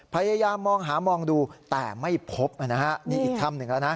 พยายามมองหามองดูแต่ไม่พบนะฮะนี่อีกถ้ำหนึ่งแล้วนะ